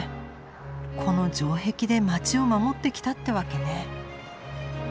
この城壁で街を守ってきたってわけね。